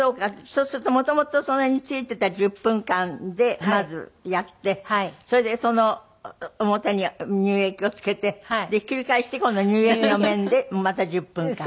そうすると元々それについていた１０分間でまずやってそれでその表に乳液をつけてひっくり返して今度乳液の面でまた１０分間。